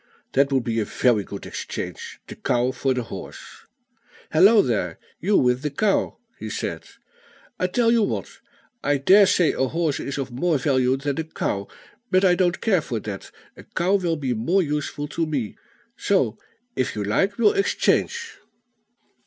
"That would be a very good exchange: the cow for the horse. Hallo there! you with the cow," he said. "I tell you what; I dare say a horse is of more value than a cow; but I don't care for that, a cow will be more useful to me; so, if you like, we'll exchange."